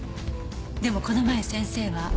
でもこの前先生は。